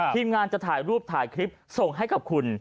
ทีมงานจะถ่ายรูปถ่ายคลิปส่งให้กับคุณ